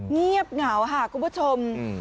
เงียบเหงาค่ะคุณผู้ชม